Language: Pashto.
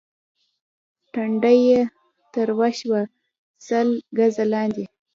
ټنډه يې تروه شوه: سل ګزه لاندې دي.